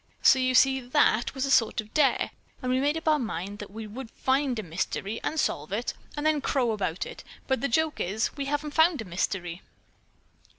So, you see, that was sort of a dare, and we made up our mind we would find a mystery and solve it, and then crow about it; but the joke is, we haven't found a mystery!"